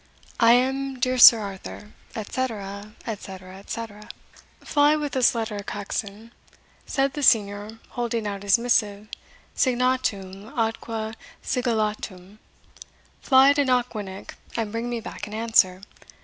I am, Dear Sir Arthur, etc. etc. etc." "Fly with this letter, Caxon," said the senior, holding out his missive, signatum atque sigillatum, "fly to Knockwinnock, and bring me back an answer.